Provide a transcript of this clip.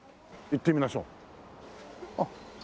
行ってみましょう。